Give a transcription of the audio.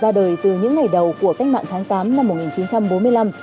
ra đời từ những ngày đầu của cách mạng tháng tám năm một nghìn chín trăm bốn mươi năm